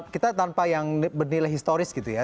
kita tanpa yang bernilai historis gitu ya